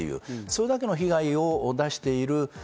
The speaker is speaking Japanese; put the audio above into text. それだけの被害を出している。